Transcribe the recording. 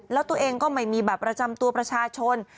แล้วตัวเองก็ไม่มีบัตรประจำตัวประชาชน